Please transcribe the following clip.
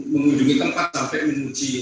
mengundungi tempat sampai menguji